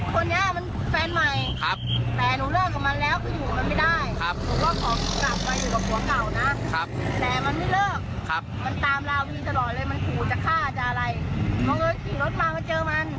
ทีนี้ตามสูตรมาหนูก็กระโดดจากรถลงไปนู่นมาให้คนช่วย